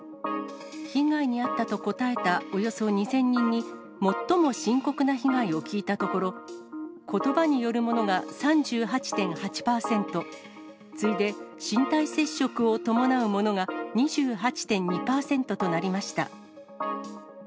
被害に遭ったと答えたおよそ２０００人に、最も深刻な被害を聞いたところ、ことばによるものが３８．８％、次いで身体接触を伴うものが２８．２％となりました。